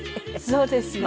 そうですね。